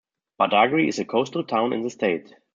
Badagry is a coastal town in the state.